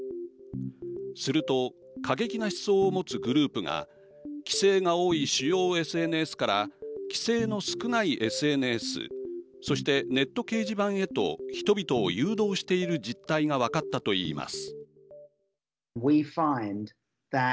すると過激な思想を持つグループが規制が多い主要ＳＮＳから規制の少ないＳＮＳそしてネット掲示板へと人々を誘導している実態が分かったと言います。